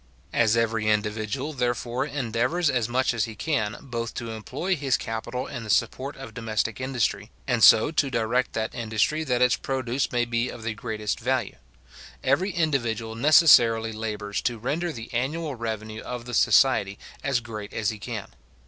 As every individual, therefore, endeavours as much as he can, both to employ his capital in the support of domestic industry, and so to direct that industry that its produce maybe of the greatest value; every individual necessarily labours to render the annual revenue of the society as great as he can.